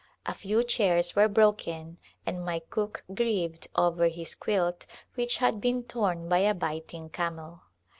A few chairs were broken and my cook grieved over his quilt which had been torn by a biting camel.